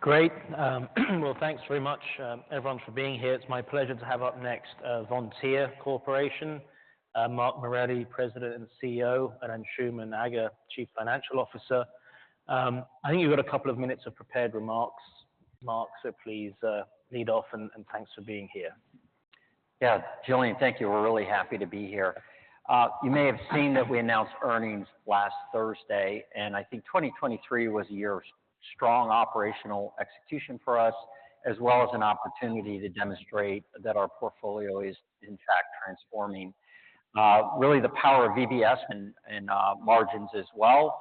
Great. Well, thanks very much everyone for being here. It's my pleasure to have up next, Vontier Corporation, Mark Morelli, President and CEO, and Anshooman Aga, Chief Financial Officer. I think you've got a couple of minutes of prepared remarks, Mark, so please lead off and thanks for being here. Yeah. Julian, thank you. We're really happy to be here. You may have seen that we announced earnings last Thursday. I think 2023 was a year of strong operational execution for us, as well as an opportunity to demonstrate that our portfolio is in fact transforming really, the power of VBS and margins as well.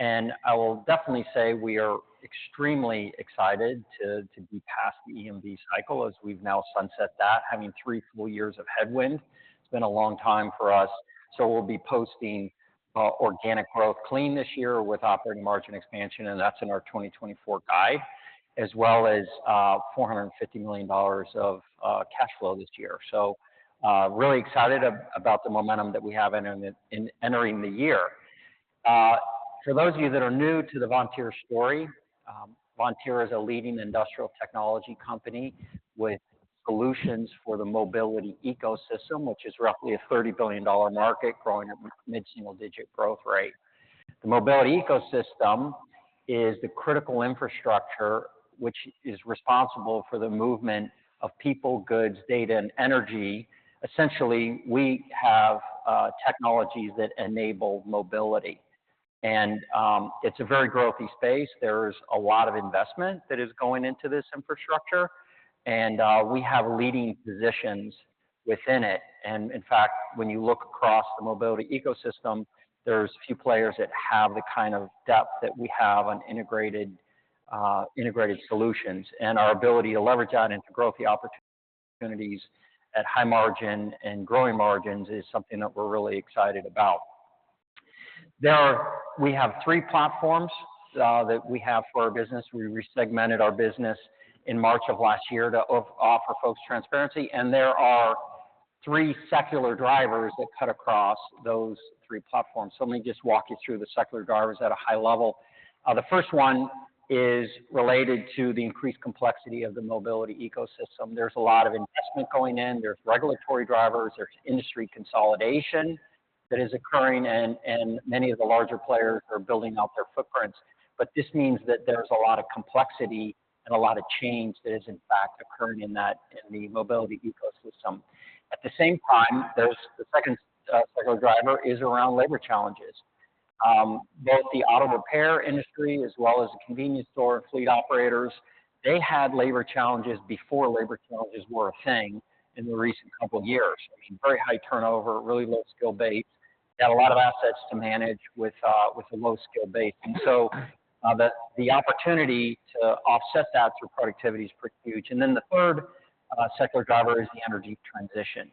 I will definitely say we are extremely excited to be past the EMV cycle, as we've now sunset that, having three full years of headwind. It's been a long time for us. We'll be posting organic growth clean this year with operating margin expansion, and that's in our 2024 guide, as well as $450 million of cash flow this year. Really excited about the momentum that we have entering the year. For those of you that are new to the Vontier story, Vontier is a leading industrial technology company with solutions for the mobility ecosystem, which is roughly a $30 billion market, growing at mid-single-digit growth rate. The mobility ecosystem is the critical infrastructure which is responsible for the movement of people, goods, data, and energy. Essentially, we have technologies that enable mobility. It's a very growthy space. There's a lot of investment that is going into this infrastructure, and we have leading positions within it. In fact, when you look across the mobility ecosystem, there's a few players that have the kind of depth that we have on integrated solutions. Our ability to leverage that and to grow the opportunities at high margin, and growing margins is something that we're really excited about. We have three platforms that we have for our business. We re-segmented our business in March of last year to offer folks transparency. There are three secular drivers that cut across those three platforms. Let me just walk you through the secular drivers at a high level. The first one is related to the increased complexity of the mobility ecosystem. There's a lot of investment going in. There's regulatory drivers. There's industry consolidation that is occurring, and many of the larger players are building out their footprints. This means that there's a lot of complexity and a lot of change that is in fact occurring in the mobility ecosystem. At the same time, the second secular driver is around labor challenges. Both the auto repair industry as well as the convenience store and fleet operators, they had labor challenges before labor challenges were a thing in the recent couple of years. I mean, very high turnover, really low skill base, got a lot of assets to manage with a low skill base. The opportunity to offset that through productivity is pretty huge. Then the third, secular driver is the energy transition.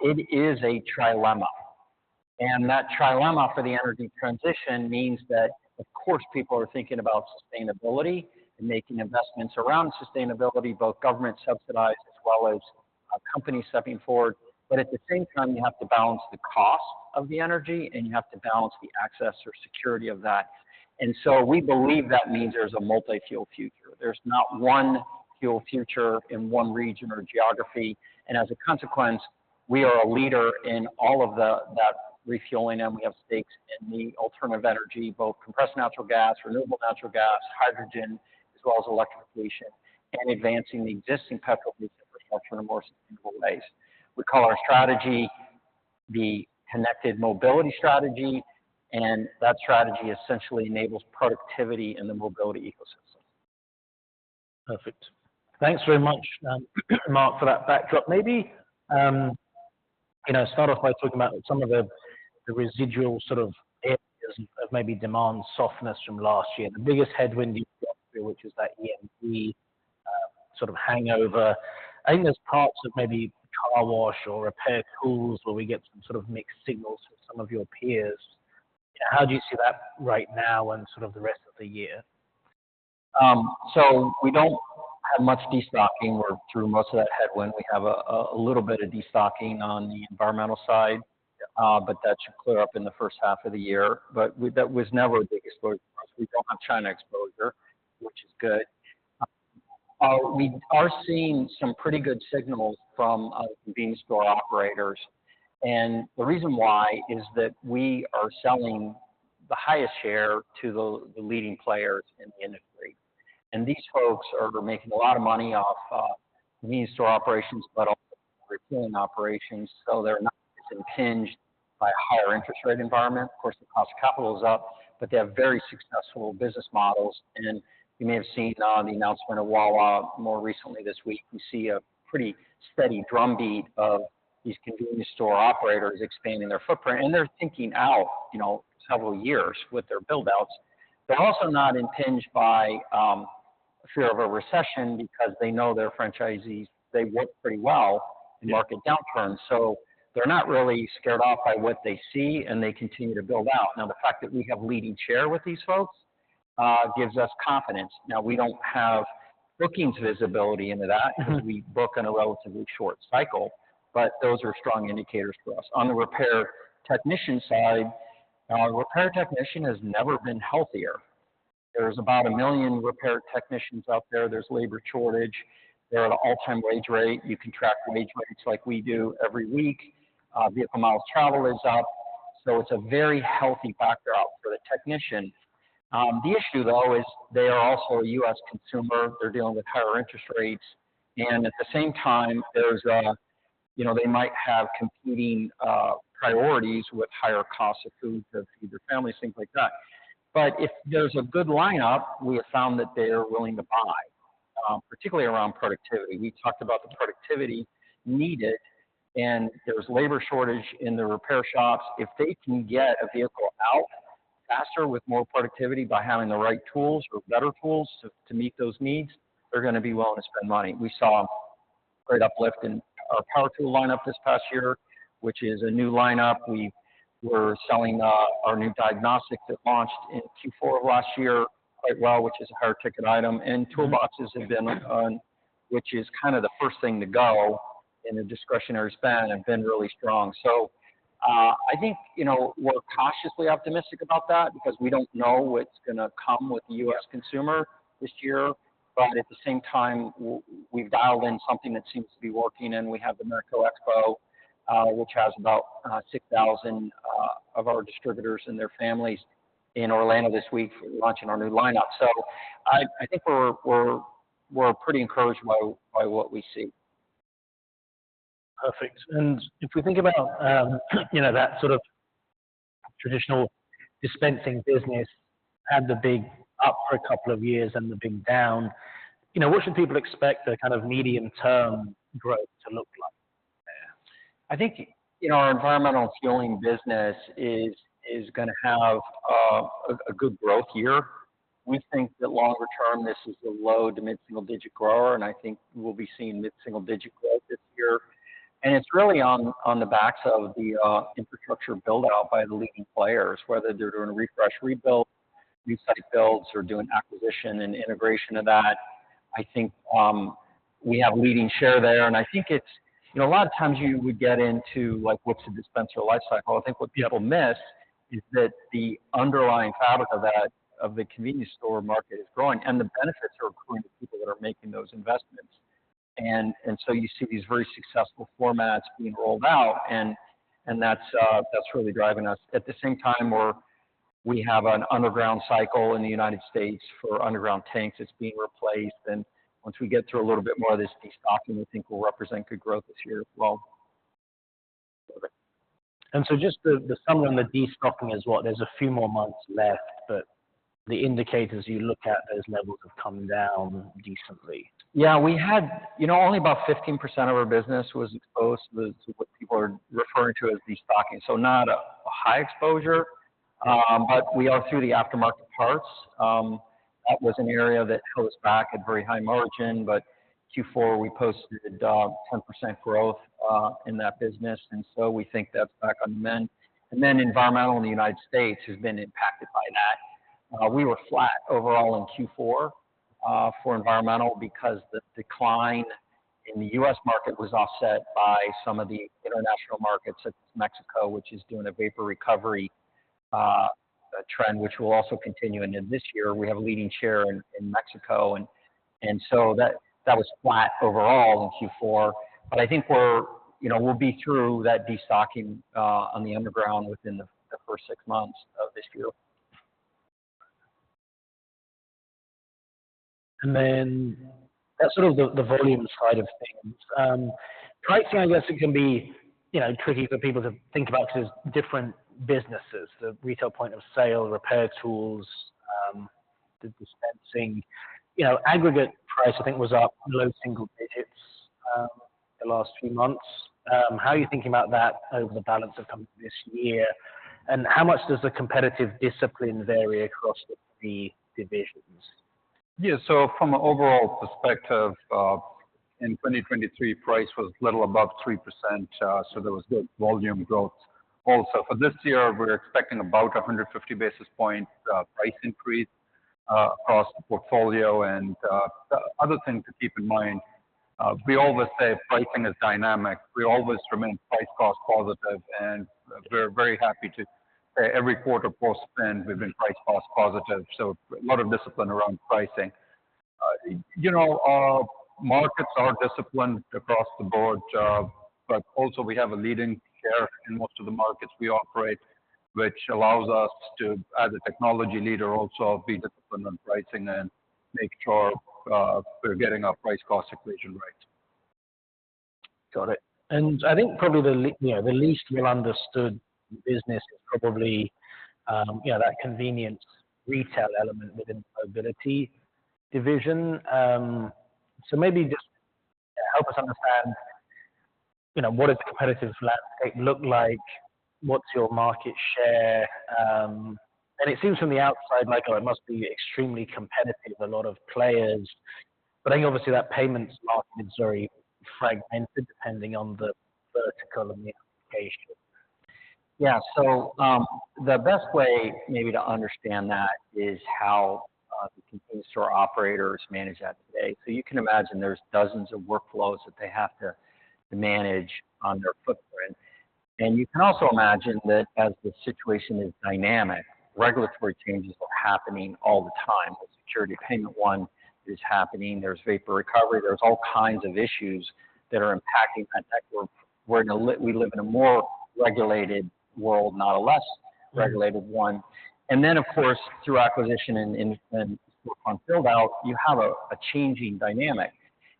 It is a trilemma. That trilemma for the energy transition means that of course, people are thinking about sustainability and making investments around sustainability, both government-subsidized as well as companies stepping forward. At the same time, you have to balance the cost of the energy, and you have to balance the access or security of that. We believe that means there's a multi-fuel future. There's not one fuel future in one region or geography. As a consequence, we are a leader in all of that refueling and we have stakes in the alternative energy, both compressed natural gas, renewable natural gas, hydrogen, as well as electrification and advancing the existing infrastructure in more sustainable ways. We call our strategy the connected mobility strategy, and that strategy essentially enables productivity in the mobility ecosystem. Perfect. Thanks very much, Mark for that backdrop. Maybe, you know, I'll start off by talking about some of the residual sort of areas of maybe demand softness from last year, the biggest headwind, which is that EMV sort of hangover. I think there's parts of maybe car wash or repair tools where we get some sort of mixed signals from some of your peers. You know, how do you see that right now and sort of the rest of the year? We don't have much destocking. We're through most of that headwind. We have a little bit of destocking on the environmental side, but that should clear up in the first half of the year. That was never a big exposure for us. We don't have China exposure, which is good. We are seeing some pretty good signals from our convenience store operators. The reason why is that we are selling the highest share to the leading players in the industry. These folks are making a lot of money off convenience store operations, but also refueling operations, so they're not as impinged by a higher interest rate environment. Of course, the cost of capital is up, but they have very successful business models. You may have seen the announcement of Wawa more recently this week. We see a pretty steady drumbeat of these convenience store operators expanding their footprint, and they're thinking out, you know, several years with their buildouts. They're also not impinged by a fear of a recession, because they know their franchisees work pretty well in market downturns. They're not really scared off by what they see, and they continue to build out. Now, the fact that we have leading share with these folks gives us confidence. Now, we don't have bookings visibility into that because we book on a relatively short cycle, but those are strong indicators for us. On the repair technician side, the repair technician has never been healthier. There's about 1 million repair technicians out there. There's a labor shortage. They're at an all-time wage rate. You can track wage rates like we do every week. Vehicle miles traveled is up. It's a very healthy factor out for the technician. The issue though is, they are also a U.S. consumer. They're dealing with higher interest rates. At the same time, you know, they might have competing priorities with higher costs of food to feed their families, things like that. If there's a good lineup, we have found that they are willing to buy, particularly around productivity. We talked about the productivity needed, and there's labor shortage in the repair shops. If they can get a vehicle out faster with more productivity by having the right tools or better tools to meet those needs, they're going to be willing to spend money. We saw a great uplift in our power tool lineup this past year, which is a new lineup. We were selling our new diagnostics that launched in Q4 of last year quite well, which is a higher-ticket item. Toolboxes have been on, which is kind of the first thing to go in a discretionary spending and been really strong. I think, you know, we're cautiously optimistic about that, because we don't know what's going to come with the U.S. consumer this year. At the sametime, we've dialed in something that seems to be working and we have the Matco Expo, which has about 6,000 of our distributors and their families in Orlando this week launching our new lineup. I think we're pretty encouraged by what we see. Perfect. If we think about, you know, that sort of traditional dispensing business had the big up for a couple of years and down, you know, what should people expect the kind of medium-term growth to look like there? I think in our environmental fueling business is going to have a good growth year. We think that longer term, this is a low to mid-single digit grower and I think we'll be seeing mid-single digit growth this year. It's really on the backs of the infrastructure buildout by the leading players, whether they're doing refresh, rebuild, re-site builds, or doing acquisition and integration of that. I think we have leading share there. I think, you know, a lot of times, you would get into what's the dispenser lifecycle? I think what people miss is that the underlying fabric of the convenience store market is growing, and the benefits are accruing to people that are making those investments. You see these very successful formats being rolled out, and that's really driving us. At the same time, we have an underground cycle in the United States for underground tanks. It's being replaced. Once we get through a little bit more of this destocking, I think we'll represent good growth this year as well. Perfect. Just the summary on the destocking is what? There's a few more months left, but the indicators you look at, those levels have come down decently. Yeah, you know, only about 15% of our business was exposed to what people are referring to as destocking. Not a high exposure, but we are through the aftermarket parts. That was an area that held us back at very high margin. Q4, we posted 10% growth in that business. We think that's back on the mend, and then environmental in the United States has been impacted by that. We were flat overall in Q4 for environmental, because the decline in the U.S. market was offset by some of the international markets, such as Mexico, which is doing a vapor recovery trend, which will also continue into this year. We have a leading share in Mexico. That was flat overall in Q4. I think, you know, we'll be through that destocking on the underground within the first six months of this year. Then that's sort of the volume side of things. Pricing, I guess, it can be, you know, tricky for people to think about because there's different businesses, the retail point of sale, repair tools, the dispensing. You know, aggregate price I think was up low single digits, the last few months. How are you thinking about that over the balance of coming this year? How much does the competitive discipline vary across the three divisions? Yeah, so from an overall perspective, in 2023, price was little above 3%, so there was good volume growth also. For this year, we're expecting about 150 basis points price increase across the portfolio. The other thing to keep in mind, we always say pricing is dynamic. We always remain price-cost positive. We're very happy to say every quarter post-spend, we've been price-cost positive, so a lot of discipline around pricing. You know, markets are disciplined across the board, but also, we have a leading share in most of the markets we operate, which allows us, as a technology leader, also be disciplined on pricing and make sure we're getting our price-cost equation right. Got it. I think probably you know, the least well-understood business is probably, you know, that convenience retail element within the mobility division. Maybe just help us understand, you know, what does the competitive landscape look like? What's your market share? It seems from the outside like it must be extremely competitive, a lot of players. I think obviously, that payments market is very fragmented depending on the vertical and the application. Yeah, so the best way maybe to understand that is how the convenience store operators manage that today. You can imagine there's dozens of workflows that they have to manage on their footprint. You can also imagine that as the situation is dynamic, regulatory changes are happening all the time. The security payment one is happening. There's vapor recovery. There's all kinds of issues that are impacting that network. We live in a more regulated world, not a less regulated one. Then of course, through acquisition and store-front buildout, you have a changing dynamic.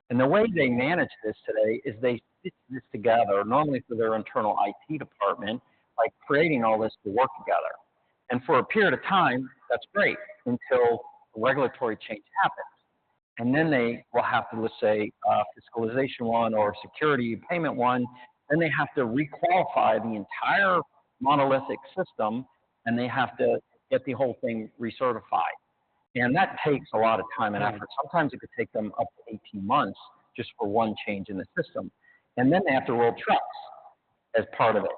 The way they manage this today is they stitch this together, normally through their internal IT department, by creating all this to work together. For a period of time, that's great until regulatory change happens. Then they will have, let's say, fiscalization one or security payment one. Then they have to requalify the entire monolithic system, and they have to get the whole thing recertified. That takes a lot of time and effort. Sometimes it could take them up to 18 months just for one change in the system. Then they have to roll trucks as part of it.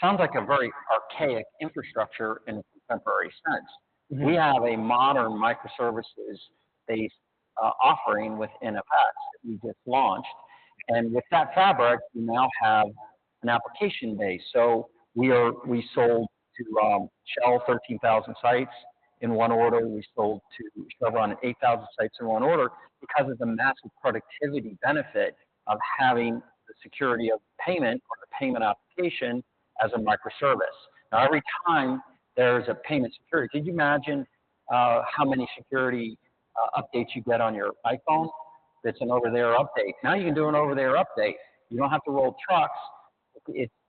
Sounds like a very archaic infrastructure in a contemporary sense. We have a modern microservices-based offering with NFX that we just launched. With that fabric, we now have an application base. We sold to Shell 13,000 sites in one order. We sold to Chevron 8,000 sites in one order because of the massive productivity benefit of having the security of payment, or the payment application as a microservice. Now, every time there's a payment security, could you imagine how many security updates you get on your iPhone? It's an over-the-air update. Now, you can do an over-the-air update. You don't have to roll trucks.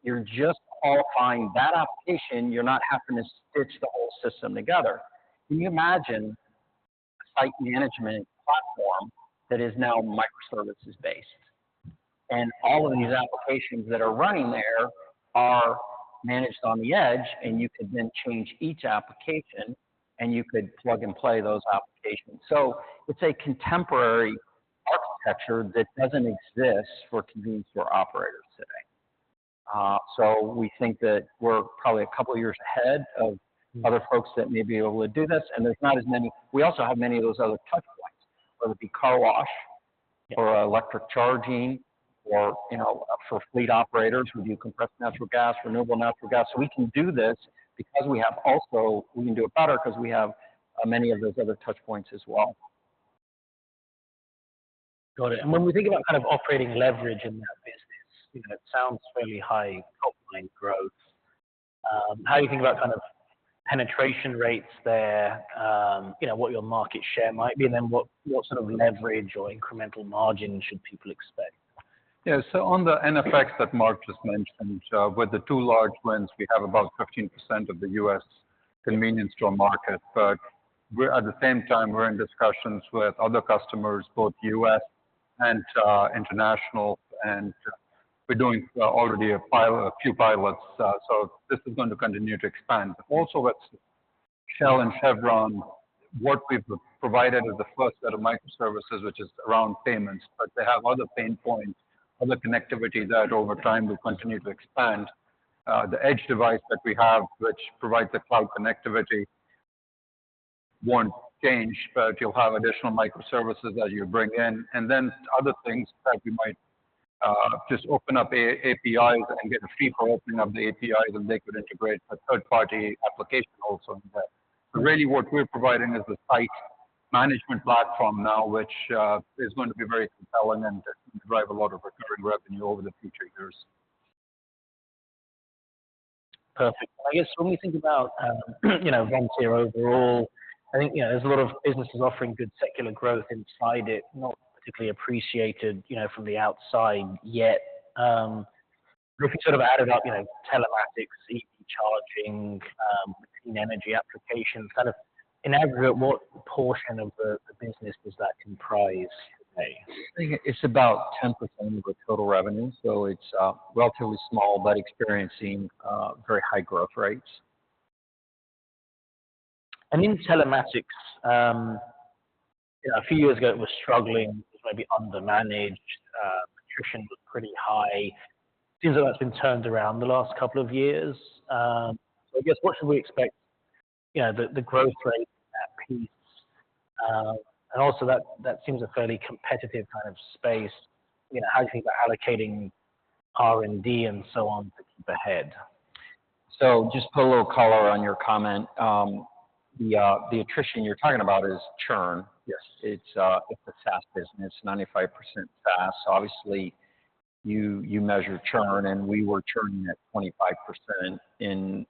You're just qualifying that application. You're not having to stitch the whole system together. Can you imagine a site management platform that is now microservices-based? All of these applications that are running there are managed on the edge, and you could then change each application and you could plug and play those applications. It's a contemporary architecture that doesn't exist for convenience store operators today. We think that we're probably a couple of years ahead of other folks that may be able to do this, and there's not as many. We also have many of those other touchpoints, whether it be car wash or electric charging or you know, for fleet operators. We do compressed natural gas, renewable natural gas. We can do this because also, we can do it better because we have many of those other touchpoints as well. Got it. When we think about kind of operating leverage in that business, you know, it sounds fairly high top-line growth. How do you think about kind of penetration rates there, you know, what your market share might be and then what sort of leverage or incremental margin should people expect? Yeah, so on the NFX that Mark just mentioned, with the two large wins, we have about 15% of the U.S. convenience store market. At the same time, we're in discussions with other customers, both U.S. and international. We're doing already a few pilots, so this is going to continue to expand. Also, with Shell and Chevron, what we've provided is the first set of microservices, which is around payments. They have other pain points, other connectivity that over time will continue to expand. The edge device that we have, which provides the cloud connectivity, won't change, but you'll have additional microservices that you bring in. Then other things that we might just open up APIs and get a fee for opening up the APIs, they could integrate a third-party application also in there. Really, what we're providing is the site management platform now, which is going to be very compelling and is going to drive a lot of recurring revenue over the future years. Perfect. I guess when we think about, you know, Vontier overall, I think you know, there's a lot of businesses offering good secular growth inside it, not particularly appreciated, you know, from the outside yet. If you sort of added up, you know, telematics, EV charging, clean energy applications, kind of in aggregate, what portion of the business does that comprise today? I think it's about 10% of the total revenue, so it's relatively small but experiencing very high growth rates. In telematics, you know, a few years ago, it was struggling. It was maybe undermanaged. Attrition was pretty high. Seems like that's been turned around the last couple of years. I guess what should we expect, you know, the growth rate at least? Also, that seems a fairly competitive kind of space. You know, how do you think about allocating R&D and so on to keep ahead? Just to put a little color on your comment, the attrition you're talking about is churn. Yes. It's a SaaS business, 95% SaaS. Obviously, you measure churn, and we were churning at 25% in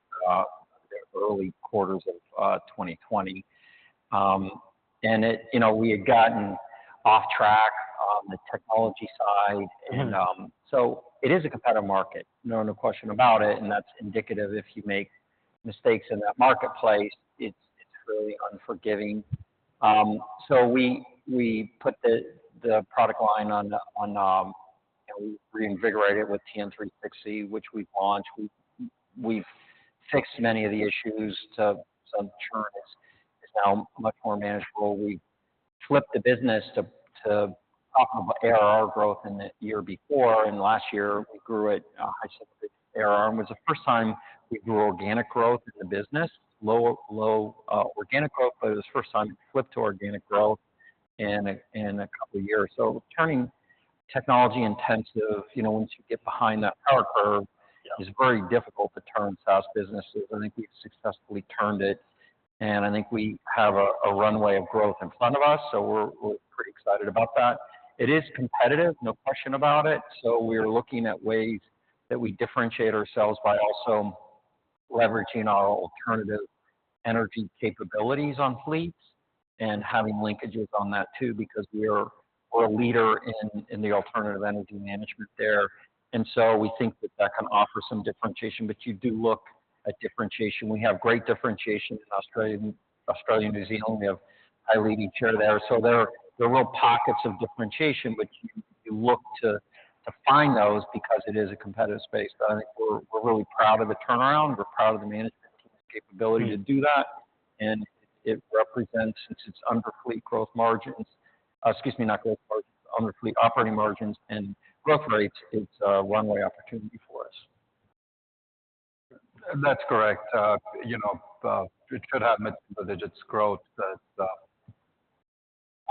the early quarters of 2020. You know, we had gotten off track on the technology side. It is a competitive market, no question about it and that's indicative. If you make mistakes in that marketplace, it's really unforgiving. We put the product line on, and we reinvigorated it with TN360, which we've launched. We've fixed many of the issues, so churn is now much more manageable. We flipped the business to profitable ARR growth in the year before. Last year, we grew at a high single-digit ARR. It was the first time we grew organic growth in the business, low organic growth. It was the first time it flipped to organic growth in a couple of years. Turning technology-intensive, you know, once you get behind that power curve, it's very difficult to turn SaaS businesses. I think we've successfully turned it. I think we have a, a runway of growth in front of us, so we're pretty excited about that. It is competitive, no question about it. We're looking at ways that we differentiate ourselves by, also leveraging our alternative energy capabilities on fleets and having linkages on that too. because we're a leader in the alternative energy management there. We think that that can offer some differentiation, but you do look at differentiation. We have great differentiation in Australia, New Zealand. We have a high leading share there. There are real pockets of differentiation, but you look to find those because it is a competitive space. I think we're really proud of the turnaround. We're proud of the management team's capability to do that. Since it's under fleet operating margins and growth rates, it's a runway opportunity for us. That's correct. You know, it should have multiple digits growth.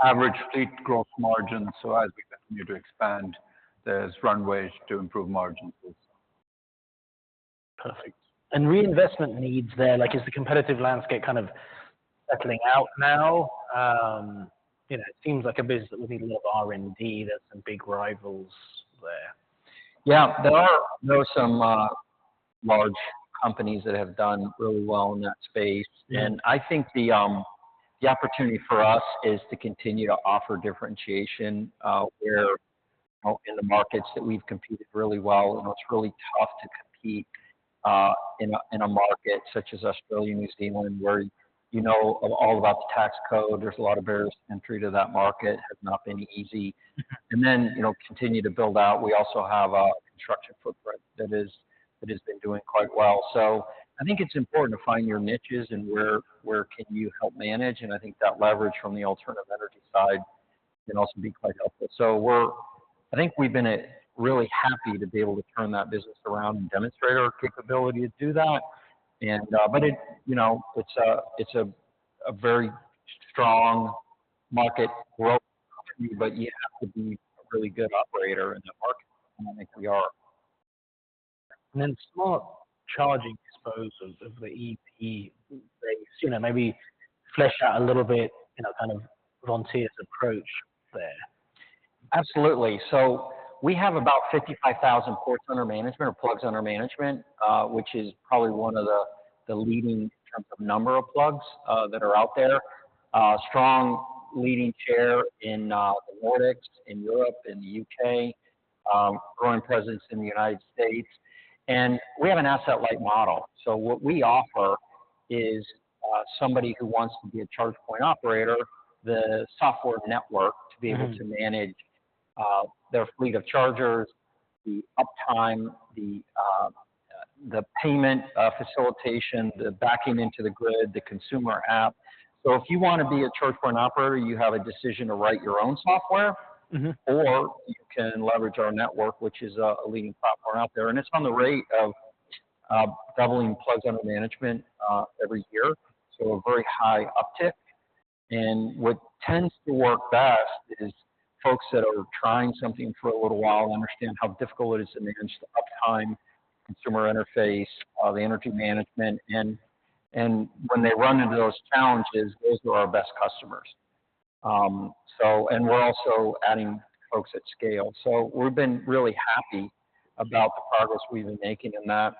Average fleet growth margin, so as we continue to expand, there's runways to improve margins. Perfect. Reinvestment needs there, is the competitive landscape kind of settling out now? You know, it seems like a business that would need a little R&D. There are some big rivals there. Yeah, there are some large companies that have done really well in that space. I think the opportunity for us is to continue to offer differentiation, where, you know, in the markets that we've competed really well, you know, it's really tough to compete in a market such as Australia, New Zealand, where, you know, all about the tax code, there's a lot of barriers to entry to that market. It has not been easy, and then, you know, continue to build out. We also have a construction footprint that has been doing quite well. I think it's important to find your niches, and where can you help manage? I think that leverage from the alternative energy side can also be quite helpful. I think we've been really happy to be able to turn that business around and demonstrate our capability to do that. You know, it's a very strong market growth economy, but you have to be a really good operator in that market and I think we are. Then the small challenge is I suppose, of the EV space, you know, maybe to flesh out a little bit, you know, kind of Vontier's approach there. Absolutely. We have about 55,000 ports under management or plugs under management, which is probably one of the leading in terms of number of plugs that are out there, strong leading share in the Nordics, in Europe, in the U.K., growing presence in the United States. We have an asset-light model. What we offer is somebody who wants to be a charge point operator, the software network to be able to manage their fleet of chargers, the uptime, the payment facilitation, the backing into the grid, the consumer app. If you want to be a charge point operator, you have a decision to write your own software or you can leverage our network, which is a leading platform out there. It's on the rate of doubling plugs under management every year, so a very high uptick. What tends to work best is folks that are trying something for a little while and understand how difficult it is to manage the uptime, consumer interface, the energy management. When they run into those challenges, those are our best customers. We're also adding folks at scale, so we've been really happy about the progress we've been making in that.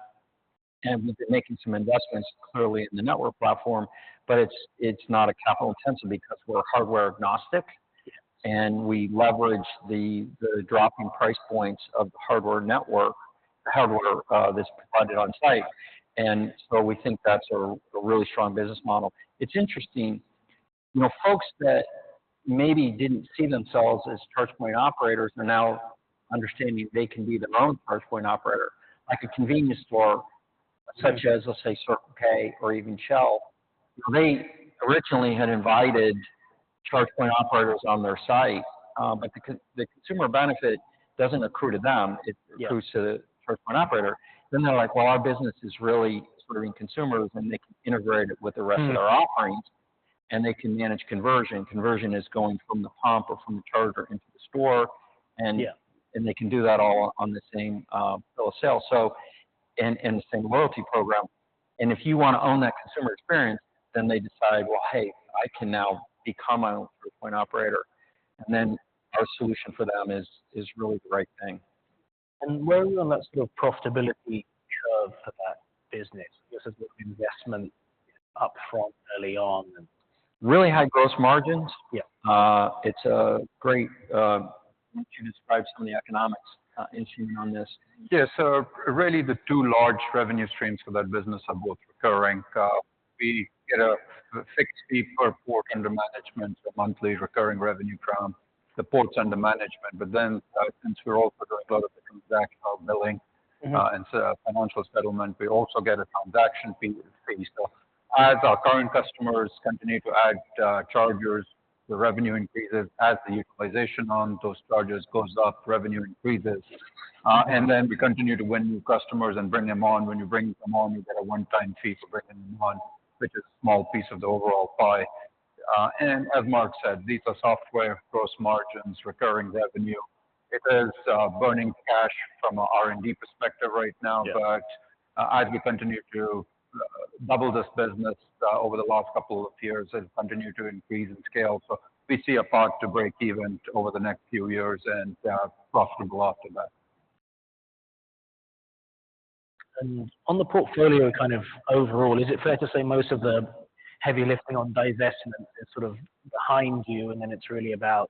We've been making some investments clearly in the network platform, but it's not capital-intensive because we're hardware-agnostic. We leverage the dropping price points of the hardware network hardware that's provided on site, and so we think that's a really strong business model. It's interesting, you know, folks that maybe didn't see themselves as charge point operators, they're now understanding they can be their own charge point operator, like a convenience store such as, let's say, Circle K or even Shell. You know, they originally had invited charge point operators on their site, but the consumer benefit doesn't accrue to them. Yes. It accrues to the charge point operator. Then they're like, "Well, our business is really serving consumers, and they can integrate it with the rest of their offerings." They can manage conversion. Conversion is going from the pump or from the charger into the store. Yeah. They can do that all on the same point of sale and the same loyalty program. If you want to own that consumer experience, then they decide, "Well, hey, I can now become my own charge point operator." Then our solution for them is really the right thing. Where are we on that sort of profitability curve for that business, just as with investment upfront early on? Really high growth margins. Yeah. It's great, you described some of the economics issues on this. Yeah, so really, the two large revenue streams for that business are both recurring. We get a fixed fee per port under management, a monthly recurring revenue from the ports under management. Then, since we're also doing a lot of the transactional billing and financial settlement, we also get a transaction fee. As our current customers continue to add chargers, the revenue increases. As the utilization on those chargers goes up, revenue increases. Then we continue to win new customers and bring them on. When you bring them on, you get a one-time fee for bringing them on, which is a small piece of the overall pie. As Mark said, Driivz software, gross margins, recurring revenue, it is burning cash from an R&D perspective right now. Yeah. As we continue to double this business over the last couple of years, it'll continue to increase in scale. We see a path to break-even over the next few years and profitable after that. On the portfolio kind of overall, is it fair to say most of the heavy lifting on divestment is sort of behind you, and then it's really about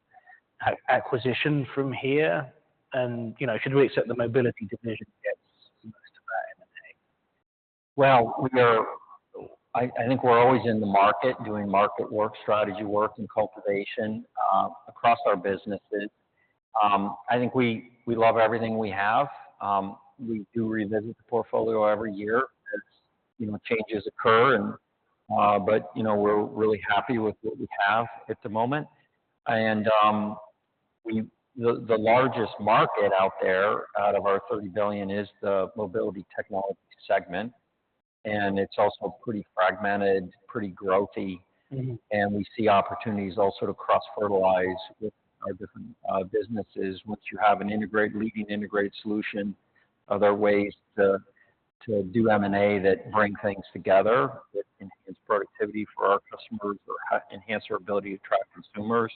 acquisition from here? You know, should we accept the mobility division gets? Well, I think we're always in the market, doing market work, strategy work, and cultivation across our businesses. I think we love everything we have. We do revisit the portfolio every year, as you know, changes occur. You know, we're really happy with what we have at the moment. The largest market out there, out of our $30 billion is the mobility technology segment. It's also pretty fragmented, pretty growthy. We see opportunities also to cross-fertilize with our different businesses. Once you have an integrated leading integrated solution, other ways to do M&A that bring things together, that enhance productivity for our customers or enhance our ability to attract consumers.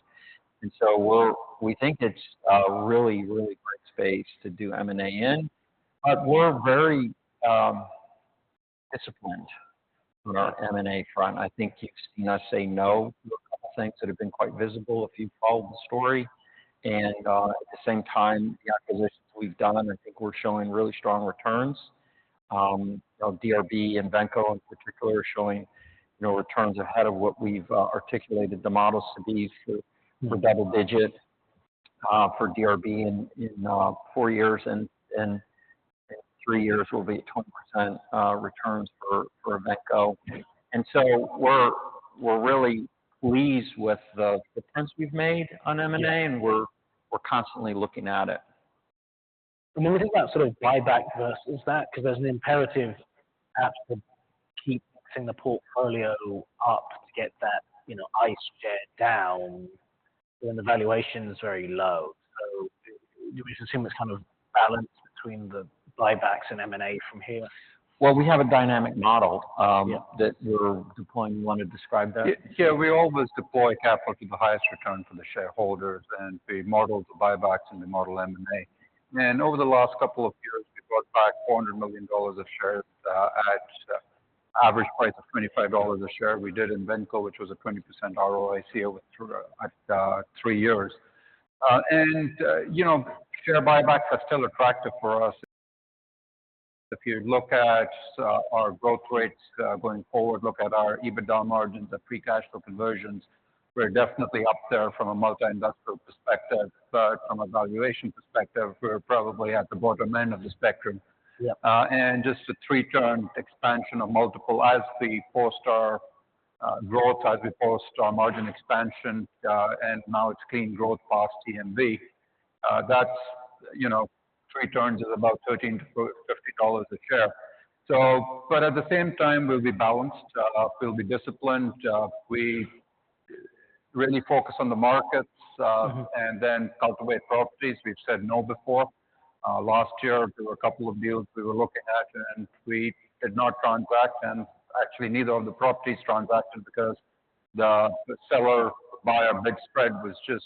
We think it's a really, really great space to do M&A in, but we're very disciplined on our M&A front. I think you've seen us say no to a couple of things that have been quite visible if you've followed the story. At the same time, the acquisitions we've done, I think we're showing really strong returns. You know, DRB and Venco in particular are showing, you know, returns ahead of what we've articulated the models to be for double-digit for DRB in four years. Three years, we'll be at 20% returns for Venco, and so we're really pleased with the attempts we've made on M&A and we're constantly looking at it. When we think about sort of buyback versus that, because there's an imperative at keeping the portfolio up to get that, you know, ICE share down when the valuation's very low. Do we assume it's kind of balanced between the buybacks and M&A from here? Well, we have a dynamic model that we're deploying. Yeah. You want to describe that? Yeah, we always deploy capital to the highest return for the shareholders. We model the buybacks. We model M&A. Over the last couple of years, we bought back $400 million of shares at average price of $25 a share. We did in Venco, which was a 20% ROIC over three years. You know, share buybacks are still attractive for us. If you look at our growth rates going forward, look at our EBITDA margins and free cash flow conversions, we're definitely up there from a multi-industrial perspective. From a valuation perspective, we're probably at the bottom end of the spectrum. Yeah. Just a three-turn expansion of multiple as we post our growth, as we post our margin expansion, and now it's clean growth past EMV, you know, three turns is about $13-$50 a share. At the same time, we'll be balanced. We'll be disciplined. We really focus on the markets, and then cultivate properties. We've said no before. Last year, there were a couple of deals we were looking at, and we did not transact. Actually, neither of the properties transacted because the seller-buyer bid spread was just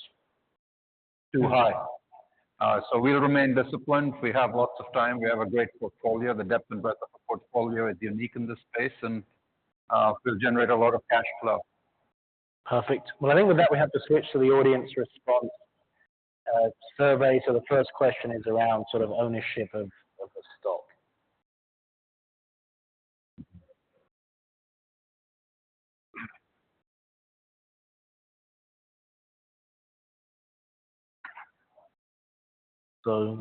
too high, so we'll remain disciplined. We have lots of time. We have a great portfolio. The depth and breadth of the portfolio is unique in this space, and we'll generate a lot of cash flow. Perfect. Well, I think with that, we have to switch to the audience response survey. The first question is around sort of ownership of the stock.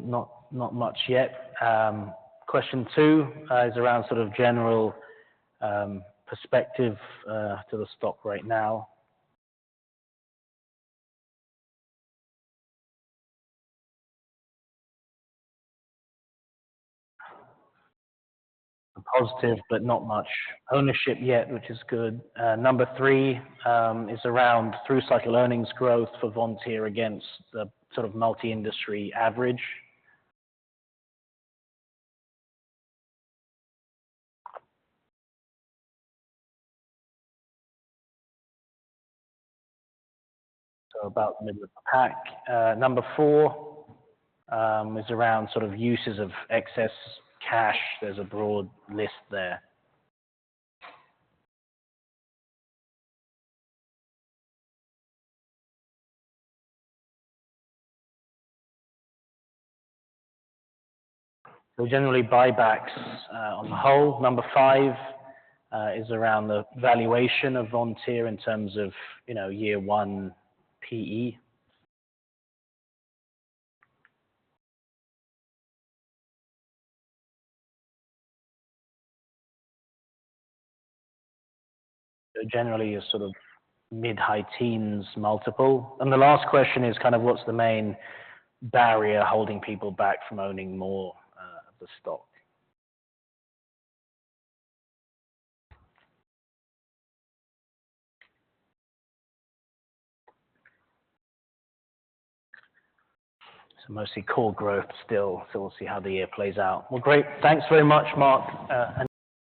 Not much yet. Question 2 is around sort of general perspective to the stock right now. A positive but not much ownership yet, which is good. Number three is around through-cycle earnings growth for Vontier against the sort of multi-industry average, so about the middle of the pack. Number four is around sort of uses of excess cash. There's a broad list there. Generally, buybacks on the whole. Number five is around the valuation of Vontier in terms of, you know, year one P/E. Generally, a sort of mid-high teens multiple. The last question is kind of, what's the main barrier holding people back from owning more of the stock? Mostly core growth still. We'll see how the year plays out. Well, great. Thanks very much, Mark.